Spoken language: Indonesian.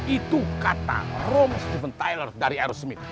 itu kata rome stephen tyler dari aerosmith